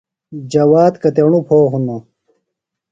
جواد کتیݨو پھو ہِنوۡ ؟